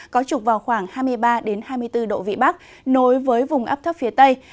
có trục vào khoảng hai mươi ba hai mươi bốn độ vị bắc nối với vùng ấp thấp phía tây